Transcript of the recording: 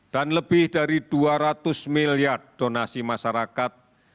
dan lebih dari dua ratus miliar donasi masyarakat